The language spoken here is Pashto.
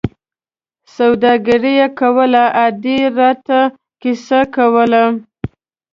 سوداګري یې کوله، ادې را ته کیسه کوله.